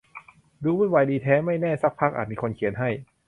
ดูวุ่นวายดีแท้ ไม่แน่ซักพักอาจมีคนเขียน ให้